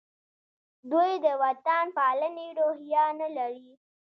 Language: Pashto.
دوی د وطن پالنې روحیه نه لري.